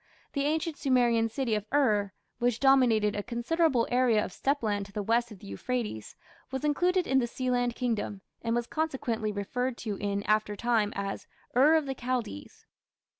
The ancient Sumerian city of Ur, which dominated a considerable area of steppe land to the west of the Euphrates, was included in the Sealand kingdom, and was consequently referred to in after time as "Ur of the Chaldees".